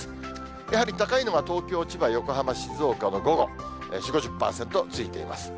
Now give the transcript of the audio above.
やはり高いのは東京、千葉、横浜、静岡の午後、４、５０％ついています。